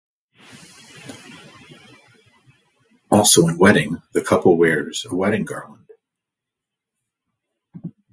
Also in wedding the couple wears a wedding garland.